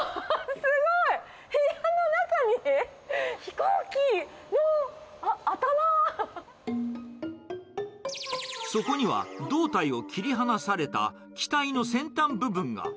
すごい！部屋の中に、そこには、胴体を切り離された機体の先端部分が。